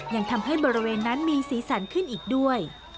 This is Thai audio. ยังทำให้บริเวณนั้นมีสีสันขึ้นอีกด้วย